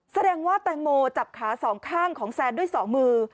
แสดงว่าแตงโมจับขาสองข้างของแซนด้วย๒มือ